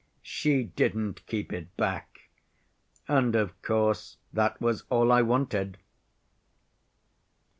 She didn't keep it back, and of course that was all I wanted.